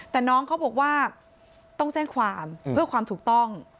แต่น้องเขาบอกว่าต้องแจ้งความเพื่อความถูกต้อง